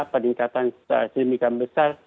tidak ada kesempatan sedemikian besar